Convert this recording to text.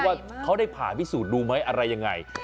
ว่าเขาได้ผ่าพิสูจน์ดูไหมอะไรยังไง